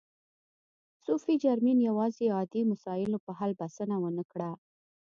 صوفي جرمین یوازې عادي مسایلو په حل بسنه و نه کړه.